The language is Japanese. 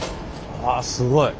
あすごい。